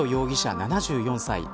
７４歳。